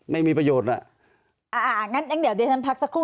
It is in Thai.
ไม่มีประโยชน์น่ะอ่างั้นเดี๋ยวเดี๋ยวฉันพักสักครู่